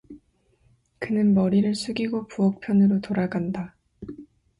그는 머리를 숙이고 부엌 편으로 돌아간다.